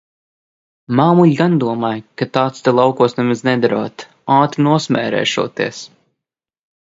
Māmuļa gan domāja, ka tāds te laukos nemaz nederot, ātri nosmērēšoties.